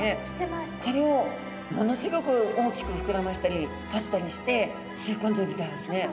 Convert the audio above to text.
これをものすギョく大きく膨らましたり閉じたりして吸い込んでるみたいですね。